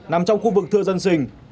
nằm trong khu vực thưa dân sinh